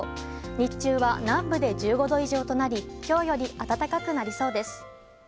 日中は南部で１５度以上となり今日より暖かくなりそうです。